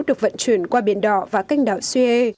được vận chuyển qua biển đỏ và canh đảo sue